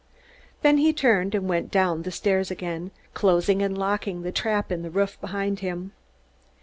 Then he turned and went down the stairs again, closing and locking the trap in the roof behind him.